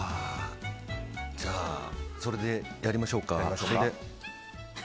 じゃあ、それでやりましょうか。